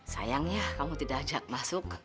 sayangnya kamu tidak ajak masuk